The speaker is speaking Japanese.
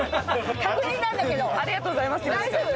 確認なんだけどありがとうございます大丈夫？